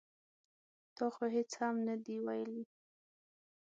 ـ تا خو هېڅ هم نه دي ویلي.